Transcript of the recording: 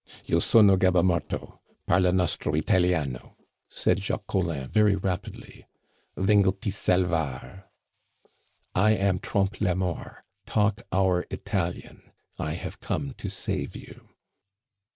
"Io sono Gaba Morto. Parla nostro Italiano," said Jacques Collin very rapidly. "Vengo ti salvar." "I am Trompe la Mort. Talk our Italian. I have come to save you."